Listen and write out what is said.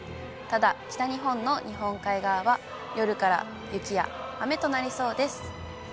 ただ北日本の日本海側は、夜から雪や雨となりそうです。